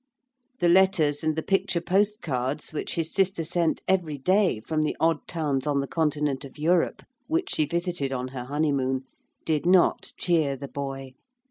The letters and the picture post cards which his sister sent every day from the odd towns on the continent of Europe, which she visited on her honeymoon, did not cheer the boy.